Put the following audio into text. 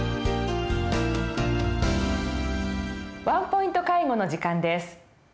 「ワンポイント介護」の時間です。